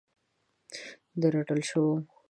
د رټل شوو